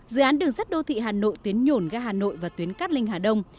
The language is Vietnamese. dự án đường sắt đô thị hà nội tuyến nhổn ga hà nội và tuyến cát linh hà đông